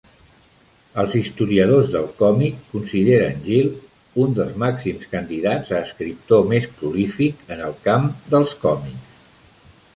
Els historiadors del còmic consideren Gill un dels màxims candidats a escriptor més prolífic en el camp dels còmics.